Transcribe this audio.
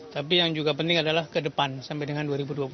tapi yang juga penting adalah ke depan sampai dengan dua ribu dua puluh empat